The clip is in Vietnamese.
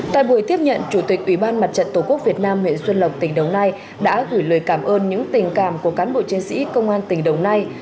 tại buổi tiếp nhận chủ tịch ủy ban mặt trận tổ quốc việt nam huyện xuân lộc tỉnh đồng nai đã gửi lời cảm ơn những tình cảm của cán bộ chiến sĩ công an tỉnh đồng nai